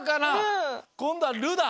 こんどは「る」だ。